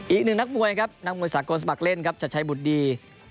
อีกหนึ่งนักมวยครับนักมวยสากลสมัครเล่นครับชัดชัยบุตรดี